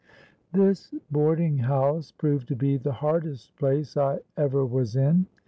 "This boarding house proved to be the hardest place I ever was in.